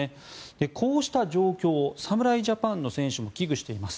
こうした状況を侍ジャパンの選手も危惧しています。